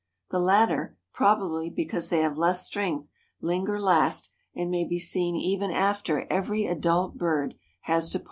The latter, probably because they have less strength, linger last, and may be seen even after every adult bird has departed."